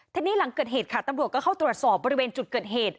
ทีนี้หลังเกิดเหตุค่ะตำรวจก็เข้าตรวจสอบบริเวณจุดเกิดเหตุ